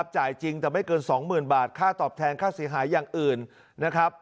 จ่ายจริงแต่ไม่เกิน๒๐๐๐บาทค่าตอบแทนค่าเสียหายอย่างอื่นนะครับ